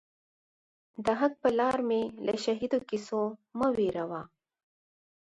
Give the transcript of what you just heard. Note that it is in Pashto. د حق پر لار می له شهیدو کیسو مه وېروه